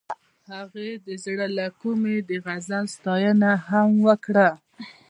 هغې د زړه له کومې د غزل ستاینه هم وکړه.